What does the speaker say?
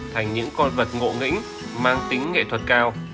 thành những con vật ngộ nghĩnh mang tính nghệ thuật cao